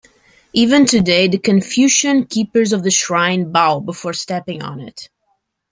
Even today the Confucian keepers of the shrine bow before stepping on it.